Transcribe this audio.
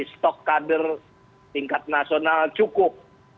stok kader tingkat nasional cukup